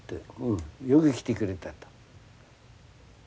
よく来てくれた」と。